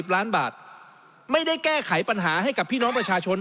ล้านบาทไม่ได้แก้ไขปัญหาให้กับพี่น้องประชาชน